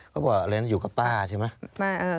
ว่าอยู่กับป้าใช่ไหม